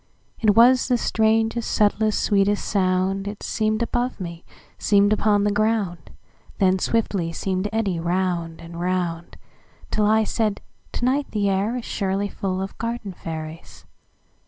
It was the strangest, subtlest, sweetest sound:It seem'd above me, seem'd upon the ground, Then swiftly seem'd to eddy round and round, Till I said: "To night the air isSurely full of garden fairies."